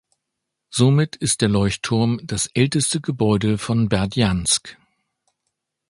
Somit ist der Leuchtturm das älteste Gebäude von Berdjansk.